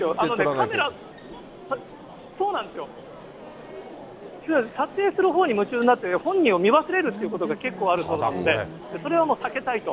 カメラ、そうなんですよ、撮影するほうに夢中になって、本人を見忘れるということが結構あるそうでして、それはもう避けたいと。